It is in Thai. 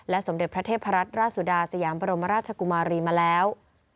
สมเด็จพระเทพรัตนราชสุดาสยามบรมราชกุมารีมาแล้ว